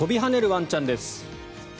ワンちゃんです。